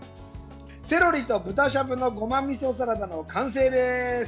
セロリと豚しゃぶのごまみそサラダの完成です。